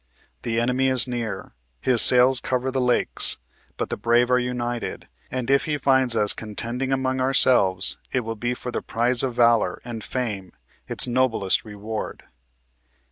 The enemy is near. His sails cover the lakes. But the brave are united ; and if he finds us contending among ourselves, it will be for the prize of valor, and fame, its noblest reward."